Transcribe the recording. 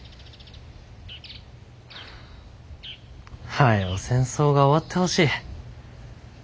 早う戦争が終わってほしい。